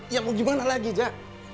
ya mau gimana lagi jak